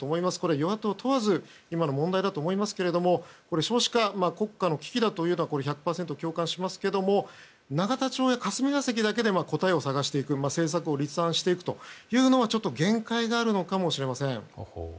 与野党問わず今の問題だと思いますが少子化は国家の危機だというのは１００％共感しますが永田町や霞が関だけで答えを探す政策を立案していくというのは限界があるのかもしれません。